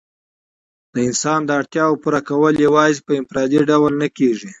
د انسان د اړتیا پوره کول یوازي په انفرادي ډول نه کيږي.